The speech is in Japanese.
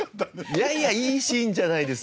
いやいやいいシーンじゃないですか。